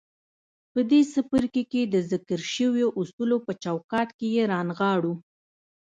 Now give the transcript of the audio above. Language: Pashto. په دې څپرکي کې د ذکر شويو اصولو په چوکاټ کې يې رانغاړو.